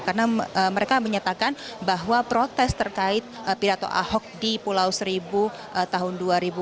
karena mereka menyatakan bahwa protes terkait pirata ahok di pulau seribu tahun dua ribu enam belas